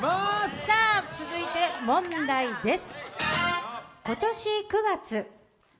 続いて問題です。